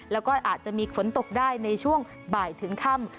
แล้วก็อาจจะมีฝนตกได้ในช่วงบ่ายถึงค่ำ